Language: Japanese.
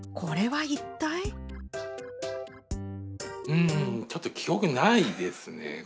うんちょっと記憶にないですねこれは。